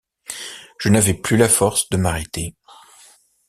Je n’avais plus la force de m’arrêter.